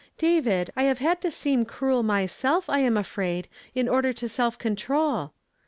David, I have had to seem cruel myself, I am afraid, in order to self conti; ol.